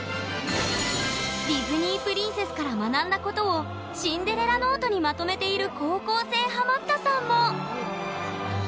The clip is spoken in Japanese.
ディズニープリンセスから学んだことをシンデレラノートにまとめている